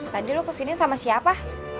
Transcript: tadi lo kesini sama siapa